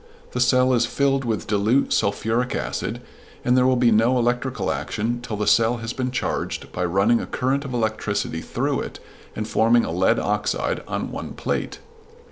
The cell is filled with dilute sulphuric acid, and there will be no electrical action till the cell has been charged by running a current of electricity through it and forming a lead oxide on one plate.